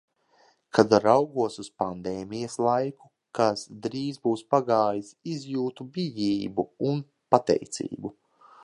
Kad raugos uz pandēmijas laiku, kas drīz būs pagājis, izjūtu bijību un pateicību.